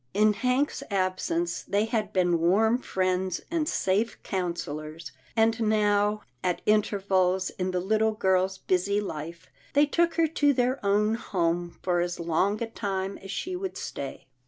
In Hank's absence, they had been warm friends and safe counsellors, and now, at intervals in the little girl's busy life, they took her to their own home for as long a time as she would stay.